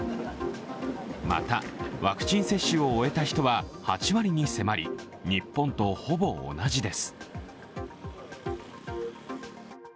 またワクチン接種を終えた人は８割に迫り、日本とほぼ同じです。